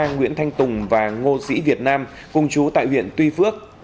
nguyễn thanh tùng và ngô sĩ việt nam cùng chú tại huyện tuy phước